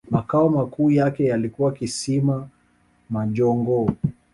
Makao makuu yake yalikuwa Kisima majongoo